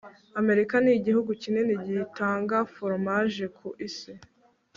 amerika n'igihugu kinini gitanga foromaje ku isi